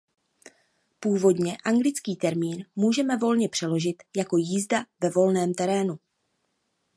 Původně anglický termín můžeme volně přeložit jako jízda ve volném terénu.